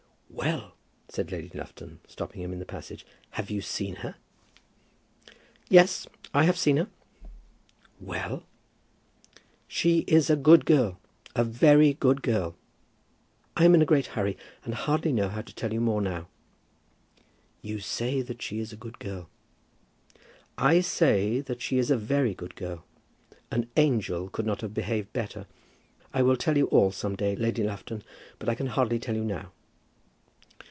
"Well!" said Lady Lufton, stopping him in the passage, "have you seen her?" "Yes; I have seen her." "Well?" "She is a good girl, a very good girl. I am in a great hurry, and hardly know how to tell you more now." "You say that she is a good girl?" "I say that she is a very good girl. An angel could not have behaved better. I will tell you all some day, Lady Lufton, but I can hardly tell you now."